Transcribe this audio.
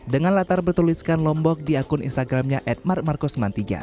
dengan latar bertuliskan lombok di akun instagramnya at markmarcus sembilan puluh tiga